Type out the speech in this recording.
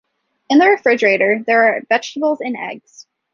In the refrigerator there are vegetables and eggs.